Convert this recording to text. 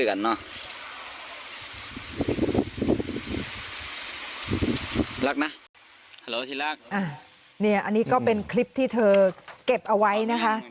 อันนี้ก็เป็นคลิปที่เธอเก็บเอาไว้นะคะ